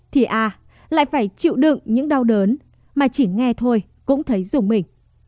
thì à lại phải chịu đựng những đau đớn mà chỉ nghe thôi cũng thấy rủng mình